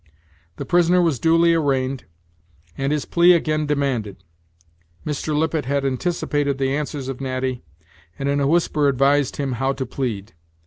The prisoner was duly arraigned, and his plea again demanded. Mr. Lippet had anticipated the answers of Natty, and in a whisper advised him how to plead.